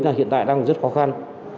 là hiện tại đang rất khó khăn